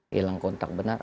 hilang kontak benar